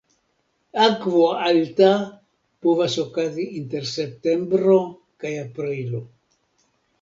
Akvo alta povas okazi inter septembro kaj aprilo.